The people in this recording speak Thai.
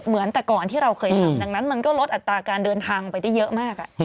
เหมือนแต่ก่อนที่เราเคยทำดังนั้นมันก็ลดอัตราการเดินทางไปได้เยอะมาก